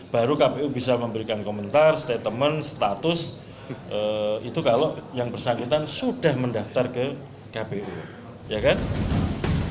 baru kpu bisa memberikan komentar statement status itu kalau yang bersangkutan sudah mendaftar ke kpu